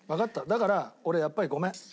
だから俺やっぱりごめん。